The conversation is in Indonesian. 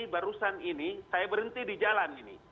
barusan ini saya berhenti di jalan ini